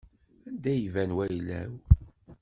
Anda i yi-iban wayla-w.